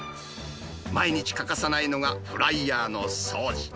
毎日欠かさないのが、フライヤーの掃除。